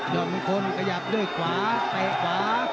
ย่วงคนขยับด้วยขวาแตะขวา